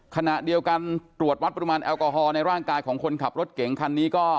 ขณะเดียวกันตรวจวัดปริมาณแอลกอฮอล์ในร่างกายของคนขับรถเก่งคันนี้ก็